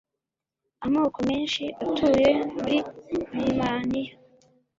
amoko menshi atuye muri birimaniya